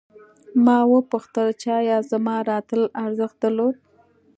ما وپوښتل چې ایا زما راتلل ارزښت درلود